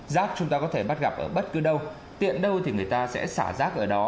rác chúng ta có thể bắt gặp ở bất cứ đâu tiện đâu thì người ta sẽ xả rác ở đó